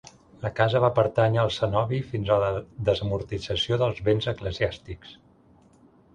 La casa va pertànyer al cenobi fins a la desamortització dels béns eclesiàstics.